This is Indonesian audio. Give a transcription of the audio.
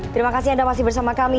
terima kasih anda masih bersama kami